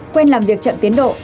quen làm việc chậm tiến độ